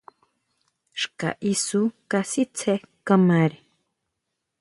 Xka isú kasitsé kamare.